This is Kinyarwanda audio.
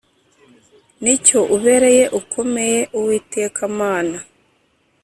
Ni cyo ubereye ukomeye, Uwiteka Mana